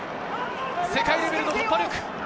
世界レベルの突破力。